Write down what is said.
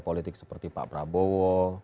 politik seperti pak prabowo